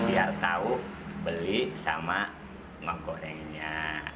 biar tahu beli sama menggorengnya